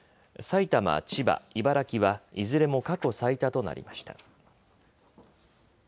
埼玉、千葉、茨城はいずれも過去最多となりました。